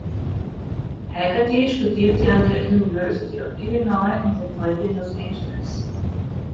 Hagerty studierte an der University of Illinois und lebt heute in Los Angeles.